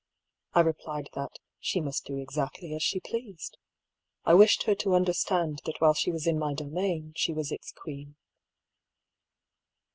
I replied that ^' she must do exactly as she pleased." I wished her to understand that while she was in my domain, she was its queen.